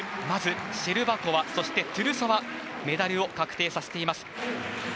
まずシェルバコワそして、トゥルソワメダルを確定させています。